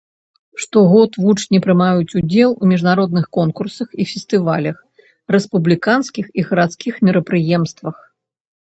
Штогод вучні прымаюць удзел у міжнародных конкурсах і фестывалях, рэспубліканскіх і гарадскіх мерапрыемствах.